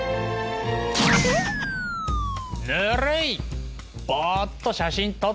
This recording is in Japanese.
ぬるい！